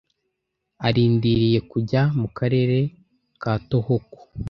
Arindiriye kujya mu karere ka Tohoku.